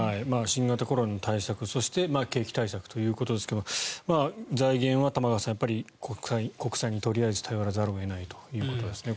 新型コロナの対策そして景気対策ということですが財源は玉川さん国債にとりあえず頼らざるを得ないということですね。